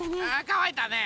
かわいたね。